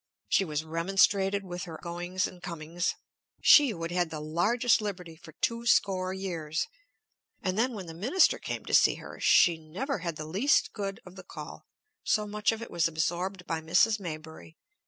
She was remonstrated with on her goings and comings, she who had had the largest liberty for two score years. And then, when the minister came to see her, she never had the least good of the call, so much of it was absorbed by Mrs. Maybury.